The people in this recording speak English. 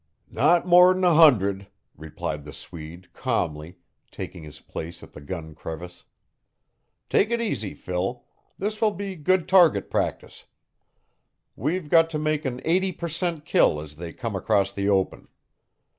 "Not more'n a hundred," replied the Swede calmly, taking his place at the gun crevice. "Take it easy, Phil. This will be good target practice. We've got to make an eighty percent kill as they come across the open.